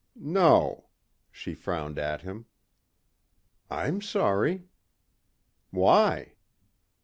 "No," she frowned at him. "I'm sorry." "Why?"